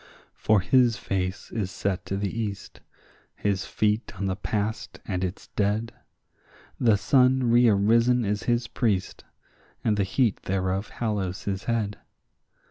For his face is set to the east, his feet on the past and its dead; The sun rearisen is his priest, and the heat thereof hallows his head.